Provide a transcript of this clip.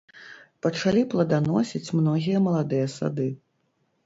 Пачалі пладаносіць многія маладыя сады.